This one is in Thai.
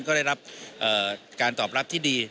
ก็ได้รับการตอบรับที่ดี